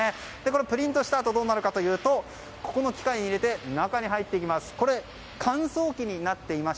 プリントしたあとどうなるかというと機械の中に入っていきます。